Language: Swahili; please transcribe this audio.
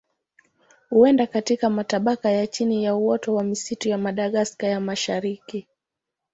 Huenda katika matabaka ya chini ya uoto wa misitu ya Madagaska ya Mashariki.